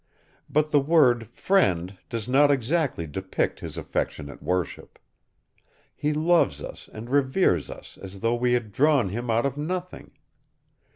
But the word "friend" does not exactly depict his affectionate worship. He loves us and reveres us as though we had drawn him out of nothing.